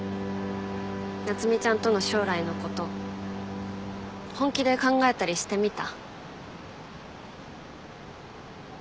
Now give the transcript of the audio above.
夏海ちゃんとの将来のこと本気で考えたりしてみた？